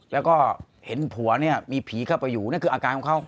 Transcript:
แล้วก็เห็นผัวเนี่ยมีผีเข้าไปอยู่นั่นคืออาการของเขา